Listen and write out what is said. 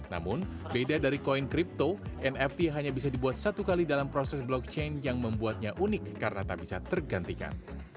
namun beda dari koin crypto nft hanya bisa dibuat satu kali dalam proses blockchain yang membuatnya unik karena tak bisa tergantikan